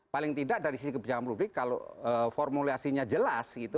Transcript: paling tidak dari sisi kebijakan publik kalau formulasinya jelas gitu